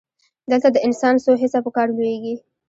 دلته د انسان څو حسه په کار لویږي.